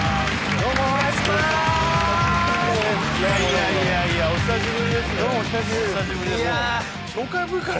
どうもお久しぶりです